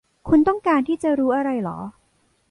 คุณต้องการที่จะรู้อะไรหรอ